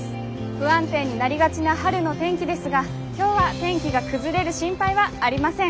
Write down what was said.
不安定になりがちな春の天気ですが今日は天気が崩れる心配はありません。